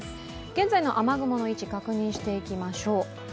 現在の雨雲の位置、確認していきましょう。